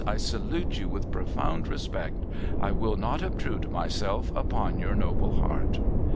I salute you with profound respect. I will not obtrude myself upon your noble heart.'